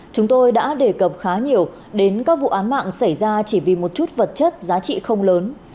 chúng tôi đã đề cập khá nhiều đến các vụ án mạng xảy ra chỉ vì một chút vật chất giá trị không lớn